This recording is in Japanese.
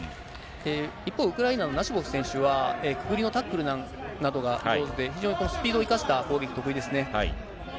一方、ウクライナのナシボフ選手は、くくりのタックルなどが非常に上手で、非常にスピードを生かした攻撃得意ですね。